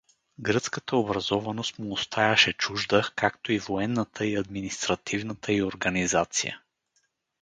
Гръцката образованост му остаяше чужда, както и военната и административната й организация.